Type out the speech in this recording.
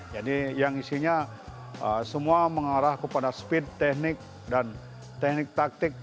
jadi yang isinya semua mengarah kepada speed teknik dan teknik taktik